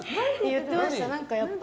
言ってました。